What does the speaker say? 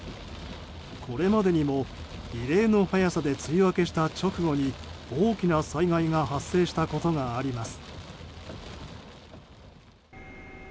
これまでにも異例の早さで梅雨明けした直後に大きな災害が発生したことがあります。